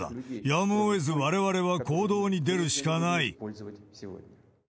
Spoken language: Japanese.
やむをえずわれわれは行動に出るしかない。